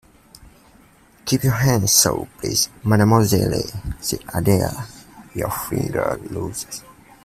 "Keep your hands so, please, mademoiselle," said Adele; "your fingers loose."